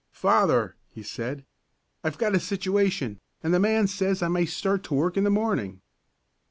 "Father," he said, "I've got a situation, and the man says I may start to work in the morning."